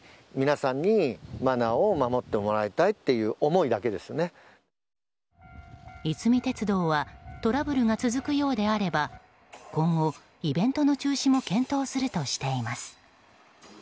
いすみ鉄道はトラブルが続くようであれば今後、イベントの中止も検討するとしています。